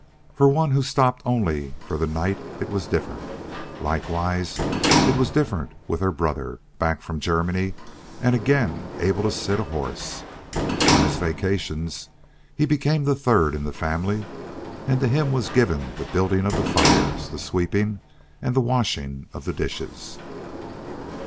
For one who stopped only for the night it was different. Likewise it was different with her brother, back from Germany, and again able to sit a horse. On his vacations he became the third in the family, and to him was given the building of the fires, the sweeping, and the washing of the dishes.